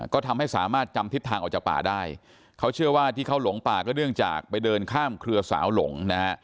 ก็ทำให้สามารถจำทิศทางออกจากป่าได้เขาเชื่อว่าที่เขาหลงป่าก็เนื่องจากไปเดินข้ามเครือสาวหลงนะฮะ